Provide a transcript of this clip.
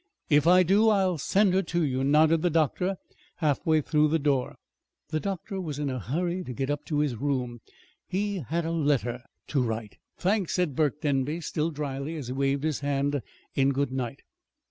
"If I do I'll send her to you," nodded the doctor, halfway through the door. The doctor was in a hurry to get up to his room he had a letter to write. "Thanks," said Burke Denby, still dryly, as he waved his hand in good night.